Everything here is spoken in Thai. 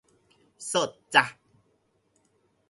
สดจ้ะ